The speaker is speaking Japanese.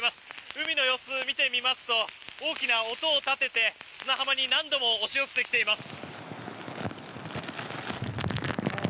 海の様子を見てみると大きな音を立てて砂浜に何度も押し寄せてきています。